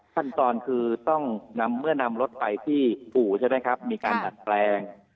ขั้นตอนคือต้องนำเมื่อนำรถไปที่อู่ใช่ไหมครับมีการดัดแปลง